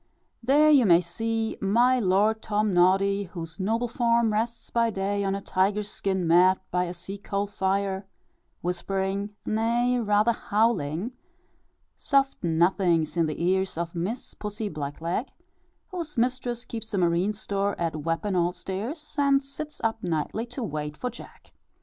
There you may see my Lord Tom noddy, whose noble form rests by day on a tiger skin mat by a sea coal fire, whispering, nay, rather howling, soft nothings in the ears of Miss Pussy Black leg, whose mistress keeps a marine store, at Wapping Old stairs, and sits up nightly to "wait for Jack."